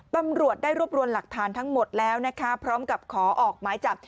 ตำรวจได้รวบรวมหลักฐานทั้งหมดแล้วนะคะพร้อมกับขอออกหมายจับ